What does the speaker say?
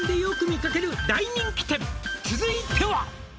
「続いては」